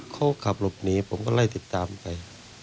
เขาขับหลบหนีผมก็ไล่ติดตามไป